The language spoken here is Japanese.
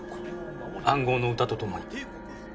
暗号の歌とともに。